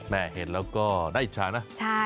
เห็นแล้วก็ได้อิจฉานะ